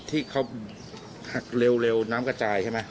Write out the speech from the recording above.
ที่เขาหักเร็วน้ำกระจายใช่ไหม